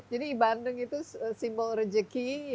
jadi bandeng itu simbol rezeki